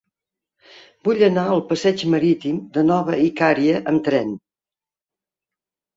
Vull anar al passeig Marítim de Nova Icària amb tren.